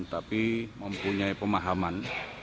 tapi mempunyai pemahaman